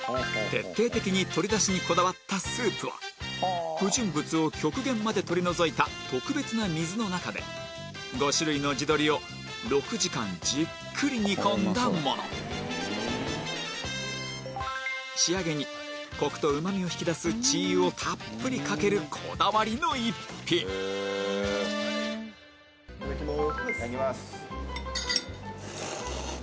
徹底的に鶏出汁にこだわったスープは不純物を極限まで取り除いた特別な水の中で５種類の地鶏を６時間じっくり煮込んだもの仕上げにコクと旨味を引き出す鶏油をたっぷりかけるこだわりの逸品いただきますいただきます